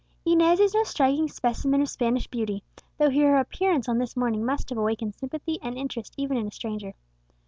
Inez is no striking specimen of Spanish beauty, though her appearance on this morning must have awakened sympathy and interest even in a stranger.